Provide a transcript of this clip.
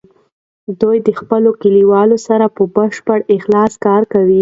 دوی د خپلو کلیوالو سره په بشپړ اخلاص کار کوي.